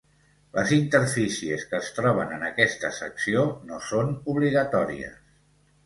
Les interfícies que es troben en aquesta secció no són obligatòries.